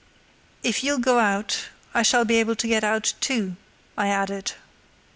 "If you'll go out I shall be able to get out too," I added.